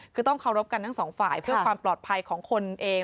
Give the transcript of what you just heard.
คือต้องเคารพกันทั้งสองฝ่ายเพื่อความปลอดภัยของคนเอง